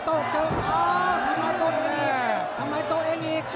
ทำไมโตเองอีก